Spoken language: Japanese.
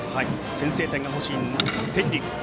先制点が欲しい天理。